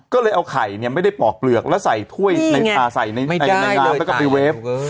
ก็เลยเอาไข่เนี่ยไม่ได้ปอกเปลือกแล้วใส่ถ้วยใส่ในน้ำแล้วก็ไปเวฟ